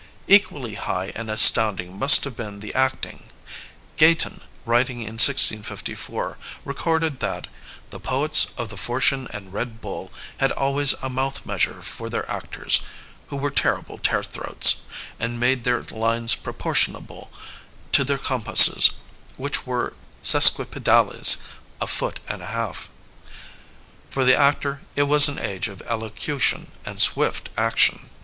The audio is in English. '' Equally high and astound ing must have been the acting. Gayton, writing in 1654, recorded that *^the poets of the Fortune and Red Bull had always a mouth measure for their Digitized by LjOOQIC 552 THE ACTOR IN ENGLAND actors (who were terrible tear throats), and made their lines proportionable to their compasses, which were sesquipedales — a foot and a half.'* For the actor it was an age of elocution and swift action.